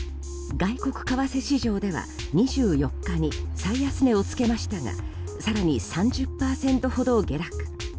外国為替市場では２４日に最安値を付けましたが更に３０％ほど下落。